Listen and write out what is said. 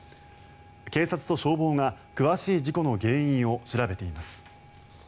警察と消防が詳しい事故の原因を調べています。